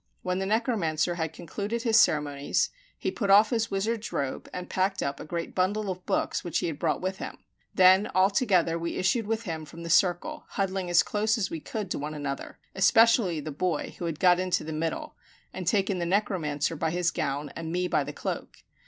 When the necromancer had concluded his ceremonies he put off his wizard's robe, and packed up a great bundle of books which he had brought with him; then all together we issued with him from the circle, huddling as close as we could to one another, especially the boy, who had got into the middle, and taken the necromancer by his gown and me by the cloak.